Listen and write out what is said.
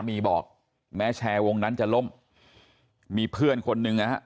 มีบอกแม้แชร์วงนั้นจะล้มมีเพื่อนคนหนึ่งนะฮะ